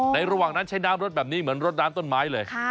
ระหว่างนั้นใช้น้ำรสแบบนี้เหมือนรถน้ำต้นไม้เลย